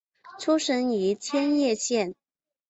出身于千叶县。